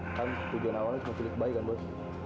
kan tujuan awalnya semakin baik kan bos